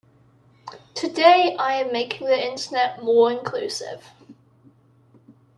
Today Iâm making the Internet more inclusive.